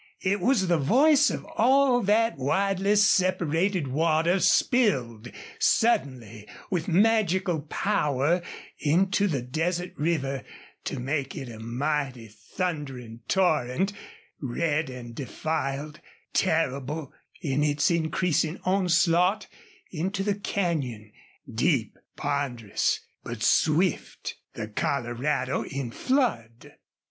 It was the voice of all that widely separated water spilled suddenly with magical power into the desert river to make it a mighty, thundering torrent, red and defiled, terrible in its increasing onslaught into the canyon, deep, ponderous, but swift the Colorado in flood.